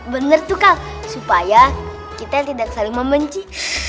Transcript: bener tuh kang supaya kita tidak saling membenci